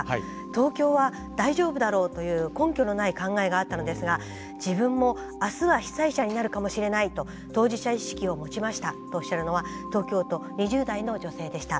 「東京は大丈夫だろうという根拠のない考えがあったのですが自分も明日は被災者になるかもしれないと当事者意識を持ちました」とおっしゃるのは東京都２０代の女性でした。